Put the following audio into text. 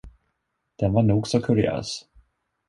Den var nog så kuriös.